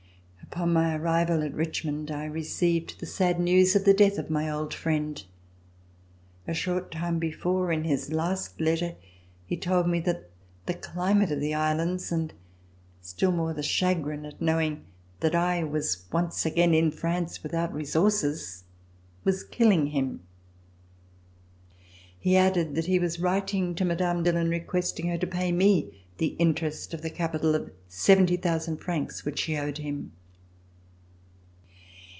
Upon my arrival at Richmond, I received the sad news of the death of my old friend. A short time before, in his last letter, he had told me that the climate of the Islands, and still more the chagrin at knowing that I was again in France without re sources, was killing him. He added that he was writing to Mme. Dillon requesting her to pay me the interest of the capital of 70,000 francs which she owed him.